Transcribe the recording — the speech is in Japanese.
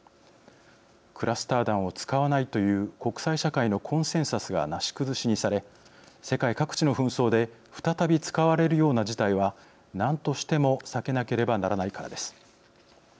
クラスター弾を使わないという国際社会のコンセンサスがなし崩しにされ世界各地の紛争で再び使われるような事態はなんとしても避けなければならないからです。